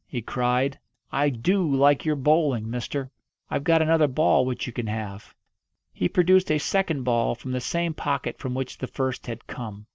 he cried. "I do like your bowling, mister. I've got another ball which you can have." He produced a second ball from the same pocket from which the first had come.